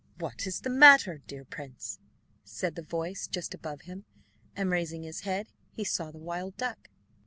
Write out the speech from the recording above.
"What is the matter, dear prince?" said a voice just above him, and raising his head, he saw the wild duck.